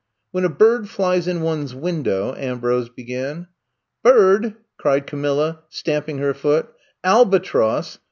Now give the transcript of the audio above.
When a bird flies in one's window —" Ambrose began. Bird!" cried Camilla, stamping her foot. Albatross!